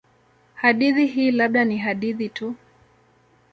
Hadithi hii labda ni hadithi tu.